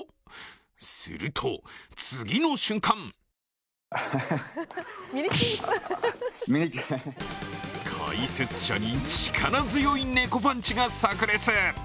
すると、次の瞬間解説者に力強い猫パンチがさく裂。